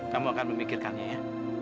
kamu akan memikirkannya